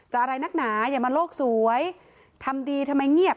อะไรนักหนาอย่ามาโลกสวยทำดีทำไมเงียบ